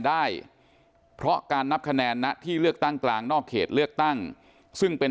ได้เพราะการนับคะแนนณที่เลือกตั้งกลางนอกเขตเลือกตั้งซึ่งเป็น